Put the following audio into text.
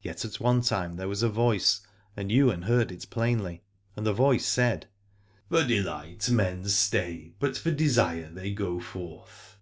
Yet at one time there was a voice, and Ywain heard it plainly: and c 33 Aladore the voice said : For delight men stay, but for desire they go forth.